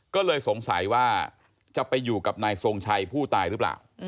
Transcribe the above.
ก็เลยสงสัยว่าจะไปอยู่กับนายทรงชัยผู้ตายหรือเปล่า